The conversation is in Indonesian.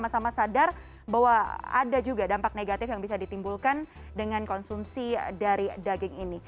sama sama sadar bahwa ada juga dampak negatif yang bisa ditimbulkan dengan konsumsi dari daging ini